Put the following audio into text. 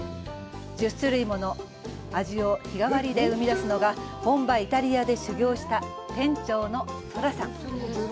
１０種類もの味を日替わりで生み出すのが本場イタリアで修業した店長の宙さん。